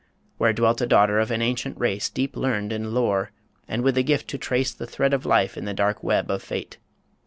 Where dwelt a daughter of an ancient race Deep learned in lore, and with the gift to trace The thread of life in the dark web of fate.